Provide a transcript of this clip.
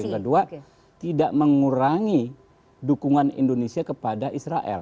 yang kedua tidak mengurangi dukungan indonesia kepada israel